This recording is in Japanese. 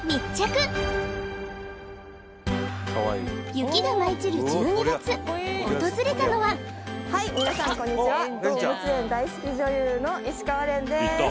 雪が舞い散る１２月訪れたのははい皆さんこんにちは動物園大好き女優の石川恋です